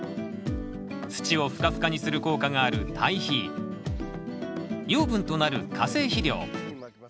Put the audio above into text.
土をふかふかにする効果がある堆肥養分となる化成肥料。